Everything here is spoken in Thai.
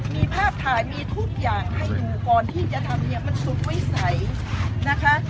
มีภาพถ่ายมีทุกอย่างให้ดูก่อนที่จะทำเนี่ยมันสุดวิสัยนะคะ